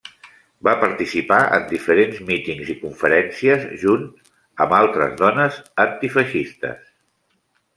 Va participar en diferents mítings i conferències junt amb altres dones antifeixistes.